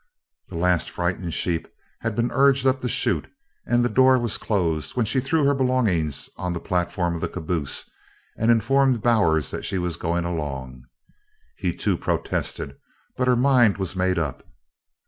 The last frightened sheep had been urged up the chute and the door was closed when she threw her belongings on the platform of the caboose and informed Bowers that she was going along. He too protested, but her mind was made up.